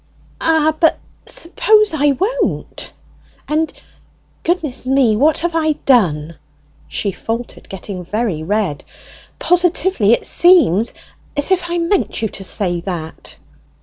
"Ah! but suppose I won't! And, goodness me, what have I done!" she faltered, getting very red. "Positively, it seems as if I meant you to say that!"